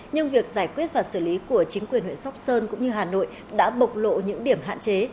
nhưng việc giải quyết và xử lý của chính quyền huyện sóc sơn cũng như hà nội đã bộc lộ những điểm hạn chế